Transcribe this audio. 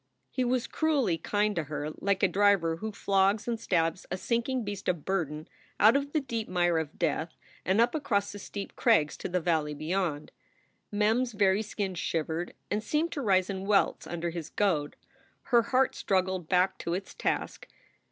He was cruelly kind to her, like a driver who flogs and stabs a sinking beast of burden out of the deep mire of death and up across the steep crags to the valley beyond. Mem s very skin shivered and seemed to rise in welts under his goad. Her heart struggled back to its task.